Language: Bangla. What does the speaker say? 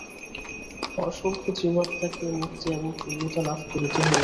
অসংখ্য জীবাত্মাকে মুক্তি এবং পূর্ণতা লাভ করিতে হইবে।